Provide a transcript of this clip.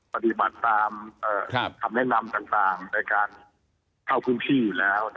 ปฏิบัติตามคำแนะนำต่างในการเข้าพื้นที่อยู่แล้ว